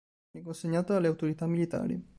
Viene consegnato alle autorità militari.